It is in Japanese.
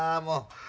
もう。